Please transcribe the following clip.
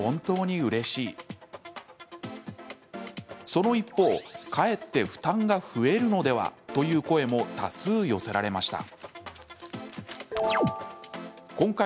その一方かえって負担が増えるのではという声も多数寄せられました。